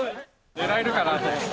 ねらえるかなと思って。